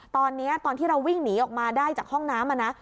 ตอนนี้ตอนที่เราวิ่งหนีออกมาได้จากห้องน้ำนะ